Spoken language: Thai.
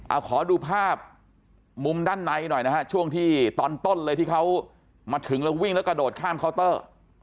เอาขอดูภาพมุมด้านในหน่อยนะฮะช่วงที่ตอนต้นเลยที่เขามาถึงแล้ววิ่งแล้วกระโดดข้ามเคาน์เตอร์